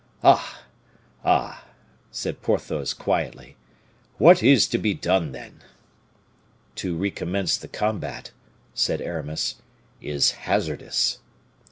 "Ah, ah!" said Porthos, quietly, "what is to be done, then?" "To recommence the combat," said Aramis, "is hazardous."